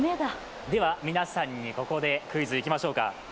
皆さんにここでクイズ、いきましょうか。